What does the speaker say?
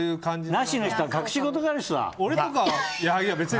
なしの人は隠し事がある人だ。